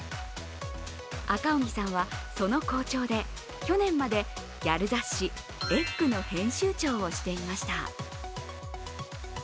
赤荻さんはその校長で去年までギャル雑誌「ｅｇｇ」の編集長をしていました。